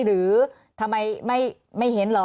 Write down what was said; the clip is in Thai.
หรือทำไมไม่เห็นเหรอ